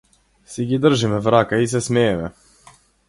Си ги држиме в рака и се смееме.